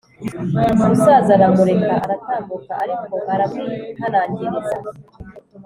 umusaza aramureka aratambuka ariko aramwihanangiriza